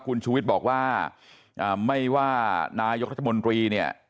คุณชูวิทย์บอกว่าไม่ว่านายกรัฐมนตรีเนี่ย